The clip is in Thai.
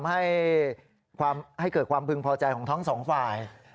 ให้เกิดความพึงพอใจของทั้งสองฝ่าย